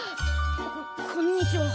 ここんにちは。